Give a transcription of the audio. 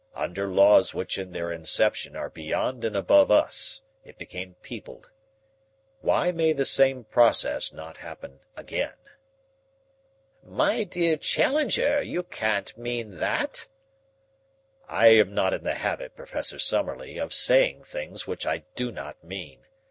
"Under laws which in their inception are beyond and above us, it became peopled. Why may the same process not happen again?" "My dear Challenger, you can't mean that?" "I am not in the habit, Professor Summerlee, of saying things which I do not mean.